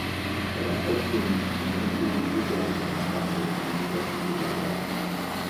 Elle a obtenu une maîtrise en littérature comparée à l'université Laval.